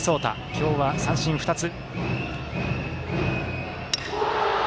今日は三振２つ。